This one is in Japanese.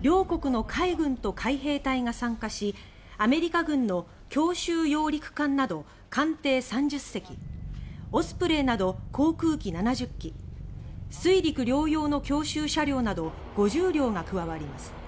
両国の海軍と海兵隊が参加しアメリカ軍の強襲揚陸艦など艦艇３０隻オスプレイなど航空機７０機水陸両用の強襲車両など５０両が加わります。